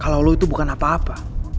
kalau lo itu bukan apa apa